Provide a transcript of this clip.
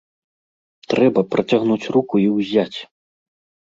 Трэба працягнуць руку і ўзяць.